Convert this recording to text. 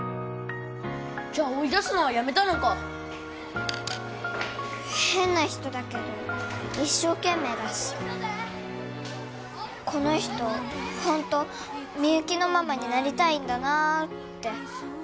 じゃあ追い出すのはやめたのか変な人だけど一生懸命だしこの人ホントみゆきのママになりたいんだなって